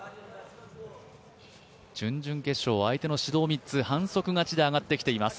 準々決勝は相手の指導３つ、反則勝ちで上がってきています。